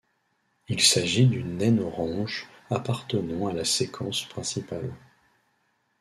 Il s'agit d'une naine orange, appartenant à la séquence principale.